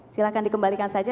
silahkan dikembalikan saja